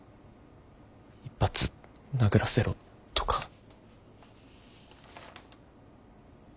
「一発殴らせろ」とか。